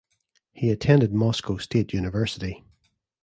He attended Moscow State University.